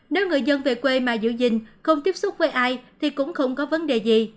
nếu người dân về quê mà giữ gìn không tiếp xúc với ai thì cũng không có vấn đề gì